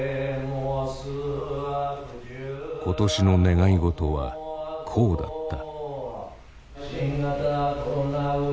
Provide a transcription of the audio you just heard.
今年の願い事はこうだった。